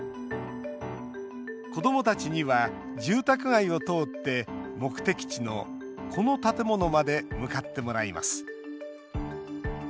子どもたちには住宅街を通って目的地のこの建物まで向かってもらいます。